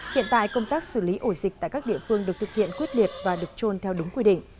hiện tại công tác xử lý ổ dịch tại các địa phương được thực hiện quyết liệt và được trôn theo đúng quy định